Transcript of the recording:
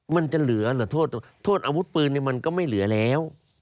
มันจะเหลือหรือโทษโทษอาวุธปืนมันก็ไม่เหลือแล้ว